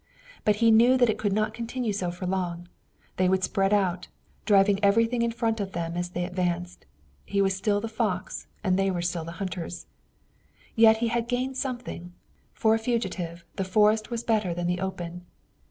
But he knew that it could not continue so long. They would spread out, driving everything in front of them as they advanced. He was still the fox and they were still the hunters. Yet he had gained something. For a fugitive the forest was better than the open.